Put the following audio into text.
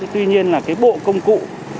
tuy nhiên là cái bộ công cụ